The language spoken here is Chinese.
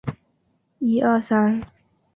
阿孙桑是巴西帕拉伊巴州的一个市镇。